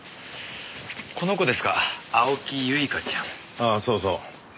ああそうそう。